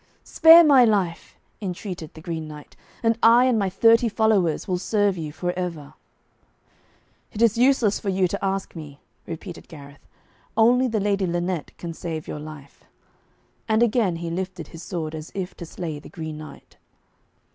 'Spare my life,' entreated the Green Knight, 'and I and my thirty followers will serve you for ever.' 'It is useless for you to ask me,' repeated Gareth. 'Only the Lady Lynette can save your life.' And again he lifted his sword, as if to slay the Green Knight.